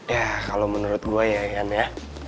ya kalo menurut gue ya yan ya